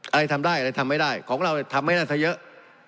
อะไรทำได้อะไรทำไม่ได้ของเราทำไม่น่าจะเยอะ